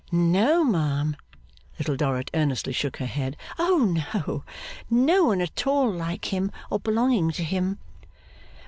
'No ma'am.' Little Dorrit earnestly shook her head. 'Oh no! No one at all like him, or belonging to him.